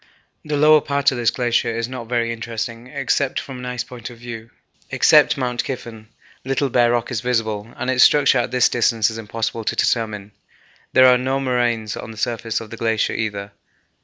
The lower part of this glacier is not very interesting, except from an ice point of view. Except Mount Kyffen, little bare rock is visible, and its structure at this distance is impossible to determine. There are no moraines on the surface of the glacier either.